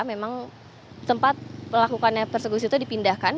memang tempat melakukannya persekusi itu dipindahkan